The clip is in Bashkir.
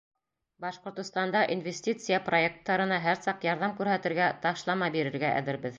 Башҡортостанда инвестиция проекттарына һәр саҡ ярҙам күрһәтергә, ташлама бирергә әҙербеҙ.